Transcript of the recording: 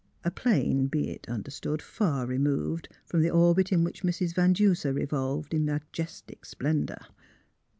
A plane, be it understood, far removed from the orbit in w^hich Mrs. Van Duser revolved in majestic splendour.